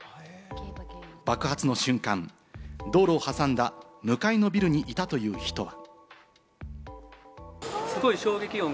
爆発の瞬間、道路を挟んだ向かいのビルにいたという人は。